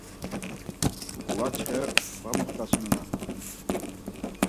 Uǩvaçxe va moxtasinonan.